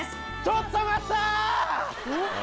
ちょっと待った！